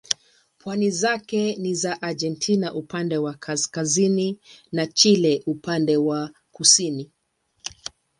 Pwani zake ni za Argentina upande wa kaskazini na Chile upande wa kusini.